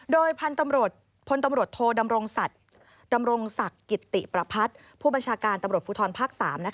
โดยพลตำรวจโทดำรงศักดิ์กิติประพัฒน์ผู้บัญชาการตำรวจภูทรภาค๓